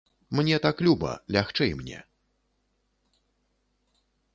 Мне так люба, лягчэй мне.